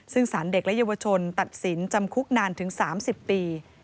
ซึ่งสารเด็กและเยาวชนตัดสินจำคุกนานถึง๓๐ปี